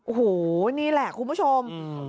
โอ้โหนี่แหละคุณผู้ชม